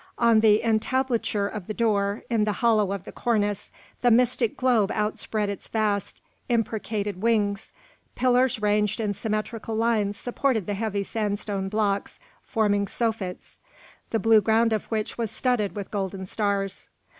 On the entablature of the door, in the hollow of the cornice, the mystic globe outspread its vast, imbricated wings; pillars ranged in symmetrical lines supported heavy sandstone blocks forming soffits, the blue ground of which was studded with golden stars.